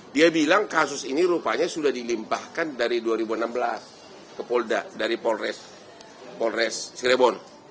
dia bilang kasus ini rupanya sudah dilimpahkan dari dua ribu enam belas ke polda dari polres cirebon